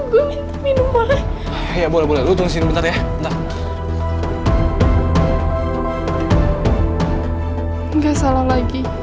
gak salah lagi